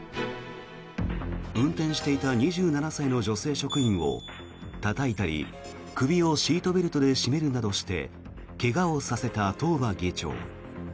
運転していた２７歳の女性職員をたたいたり首をシートベルトで絞めるなどして怪我をさせた東間議長。